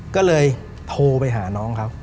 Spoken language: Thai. ก็เลยโทรไปหาน้องเขา